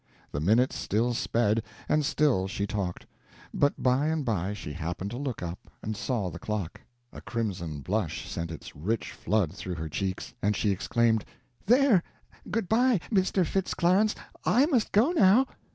The minutes still sped, and still she talked. But by and by she happened to look up, and saw the clock. A crimson blush sent its rich flood through her cheeks, and she exclaimed: "There, good by, Mr. Fitz Clarence; I must go now!"